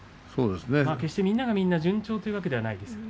みんながみんな順調というわけではないですね。